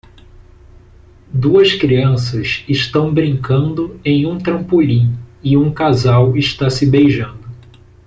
Duas crianças estão brincando em um trampolim e um casal está se beijando.